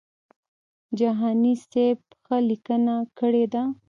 جهاني سیب ښه لیکنه کړې ده.